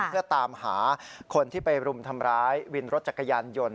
เพื่อตามหาคนที่ไปรุมทำร้ายวินรถจักรยานยนต์